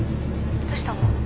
どうしたの？